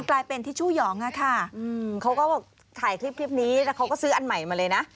เขาก็ถ่ายคลิปนี้แล้วเขาก็ซื้ออันใหม่มาเลยนะ